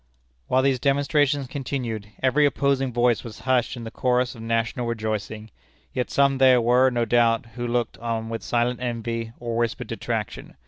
While these demonstrations continued, every opposing voice was hushed in the chorus of national rejoicing; yet some there were, no doubt, who looked on with silent envy or whispered detraction.